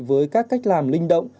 với các cách làm linh động